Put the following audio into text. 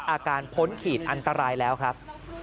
พ้นขีดอันตรายแล้วครับ